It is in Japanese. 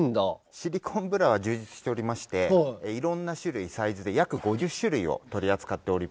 シリコンブラは充実しておりまして色んな種類サイズで約５０種類を取り扱っております。